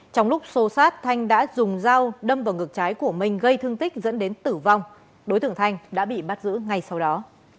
trong lúc xô sát thanh đã dùng dao đâm vào ngực trái của minh gây thương tích dẫn đến tử vong đối tượng thanh đã bị bắt giữ ngay sau đó